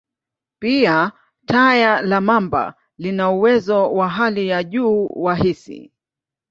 Pia, taya la mamba lina uwezo wa hali ya juu wa hisi.